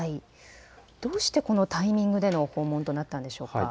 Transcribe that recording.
どうしてこのタイミングでの訪問となったんでしょうか。